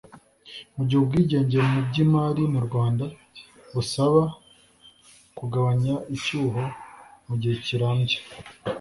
mu gihe ubwigenge mu by'imari mu rwanda busaba kugabanya icyuho mu gihe kirambye,